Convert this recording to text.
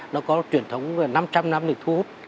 nó có truyền thống năm trăm linh năm được thu hút